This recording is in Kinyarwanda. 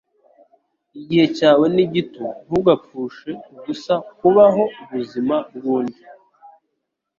Igihe cyawe ni gito, ntugapfushe ubusa kubaho ubuzima bw'undi.